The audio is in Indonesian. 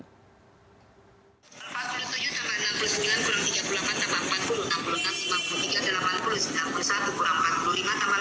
empat puluh tujuh delapan puluh empat puluh dua puluh dua puluh tiga tambah sembilan puluh delapan dua puluh enam jadi